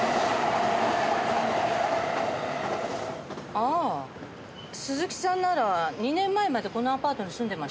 ああ鈴木さんなら２年前までこのアパートに住んでましたよ。